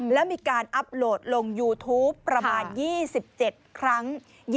แล้วมีการอัพโหลดลงยูทูปประมาณ๒๗ครั้ง